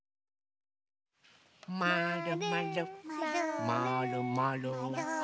まるまるまるまる。